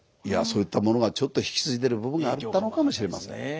いやそういったものがちょっと引き継いでる部分があったのかもしれません。